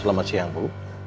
selamat siang bu